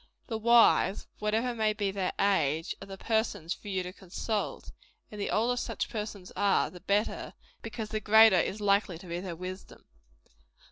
The wise, whatever may be their age, are the persons for you to consult; and the older such persons are, the better because the greater is likely to be their wisdom.